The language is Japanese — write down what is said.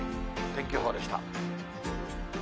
天気予報でした。